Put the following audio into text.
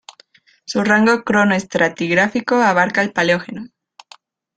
Su rango cronoestratigráfico abarca el Paleógeno.